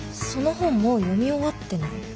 その本もう読み終わってない？